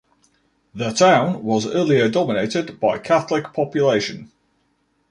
The town was earlier dominated by Catholic population.